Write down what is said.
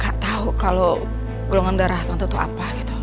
gak tau kalo golongan darah tante tuh apa gitu